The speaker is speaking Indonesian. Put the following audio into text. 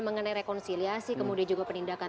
mengenai rekonsiliasi kemudian juga penindakan